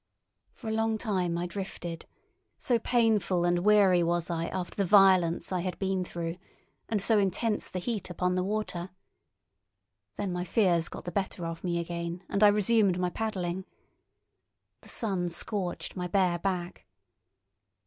For a long time I drifted, so painful and weary was I after the violence I had been through, and so intense the heat upon the water. Then my fears got the better of me again, and I resumed my paddling. The sun scorched my bare back.